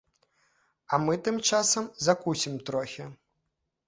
А мы тым часам закусім трохі.